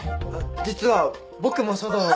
実は僕も書道を。